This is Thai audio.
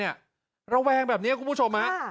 ระแวงแบบนี้คุณผู้ชมฮะ